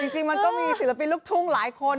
จริงมันก็มีศิลปินลูกทุ่งหลายคน